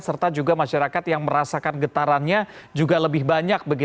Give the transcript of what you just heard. serta juga masyarakat yang merasakan getarannya juga lebih banyak